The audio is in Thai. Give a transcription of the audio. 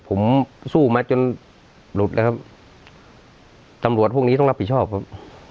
ผมสู้มาจนหลุดแล้วครับตำรวจพวกนี้ต้องรับผิดชอบครับ